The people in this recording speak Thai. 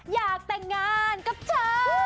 อยากแต่งงานกับเธอ